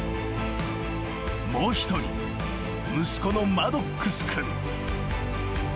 ［もう一人息子のマドックス君］